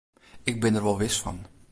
Ik bin der wol wis fan.